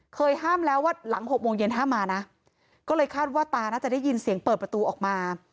ห้ามแล้วว่าหลัง๖โมงเย็นห้ามมานะก็เลยคาดว่าตาน่าจะได้ยินเสียงเปิดประตูออกมา